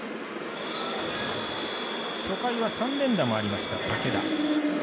初回は３連打もありました、武田。